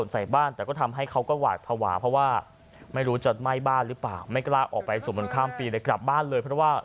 สะเก็ดไฟล์มันไปโดนต้นนี้เข้า